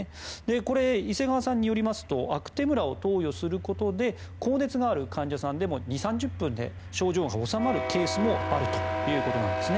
これ、伊勢川さんによりますとアクテムラを投与することで高熱がある患者さんでも２０３０分で症状が治まるケースもあるということなんです。